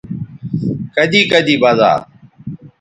کدی کدی بزا